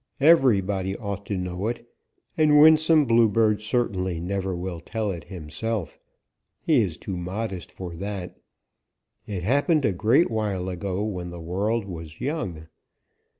Everybody ought to know it, and Winsome Bluebird certainly never will tell it himself. He is too modest for that. It happened a great while ago when the world was young. Mr.